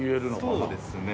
そうですね。